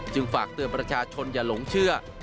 ฝากเตือนประชาชนอย่าหลงเชื่อ